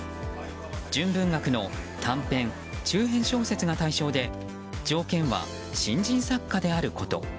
純文学の短編・中編小説が対象で条件は新人作家であること。